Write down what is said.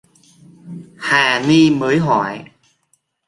Hà ni mới hỏi